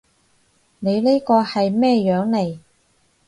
你呢個係咩樣嚟？